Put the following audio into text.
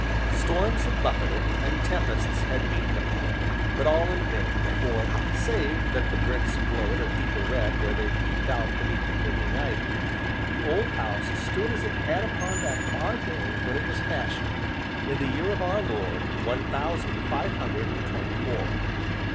Storms had buffeted, and tempests had beaten upon it, but all in vain, for, save that the bricks glowed a deeper red where they peeped out beneath the clinging ivy, the old house stood as it had upon that far day when it was fashioned, in the Year of Our Lord One Thousand Five Hundred and Twenty four.